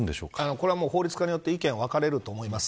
これは法律家によって意見は分かれると思います。